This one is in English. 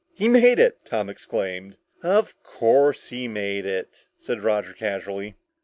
"He made it!" Tom exclaimed. "Of course he made it," said Roger casually.